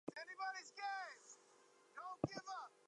Tear down this wall!